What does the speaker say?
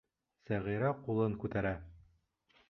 Сәғирә ҡулын күтәрә.